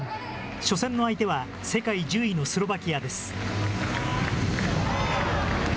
初戦の相手は、世界１０位のスロバキアです。